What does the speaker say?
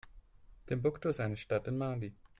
Timbuktu ist eine Stadt in Mali.